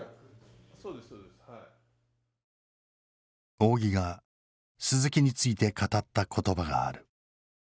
仰木が鈴木について語った言葉がある。